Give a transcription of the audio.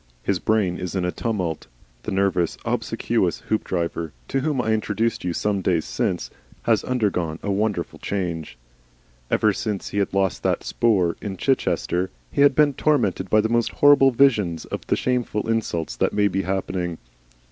His brain is in a tumult. The nervous, obsequious Hoopdriver, to whom I introduced you some days since, has undergone a wonderful change. Ever since he lost that 'spoor' in Chichester, he has been tormented by the most horrible visions of the shameful insults that may be happening.